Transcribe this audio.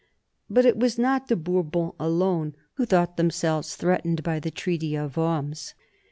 But it was not the Bourbons alone who thought themselves threatened by the Treaty of Worms.